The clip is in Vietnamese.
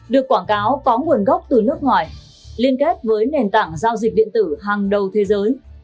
được quảng cáo có nguồn gốc từ nước ngoài liên kết với nền tảng giao dịch điện tử hàng đầu thế giới